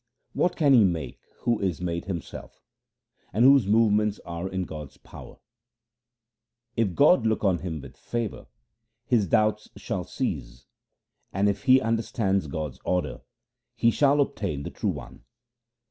What can he make who is made himself, And whose movements are in God's power ? If God look on him with favour, his doubts shall cease ; And if he understand God's order, he shall obtain the True One.